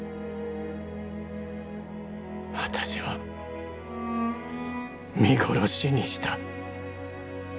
私は見殺しにした。